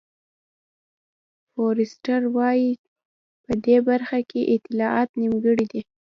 فورسټر وایي په دې برخه کې اطلاعات نیمګړي دي.